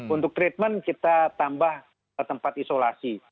untuk treatment kita tambah tempat isolasi